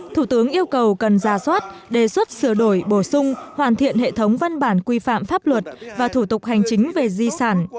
thủ tướng yêu cầu cần ra soát đề xuất sửa đổi bổ sung hoàn thiện hệ thống văn bản quy phạm pháp luật và thủ tục hành chính về di sản